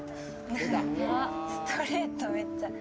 「ストレートめっちゃ」